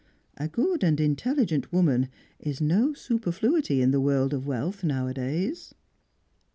A good and intelligent woman is no superfluity in the world of wealth nowadays."